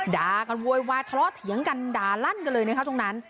ด่ากันโวยวายทะเลาะเถียงกันด่าลั่นกันเลยนะคะตรงนั้น